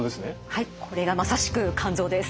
はいこれがまさしく肝臓です。